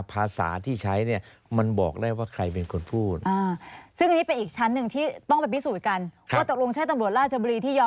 ภาษาที่ใช้เนี่ย